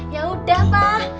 ya udah pak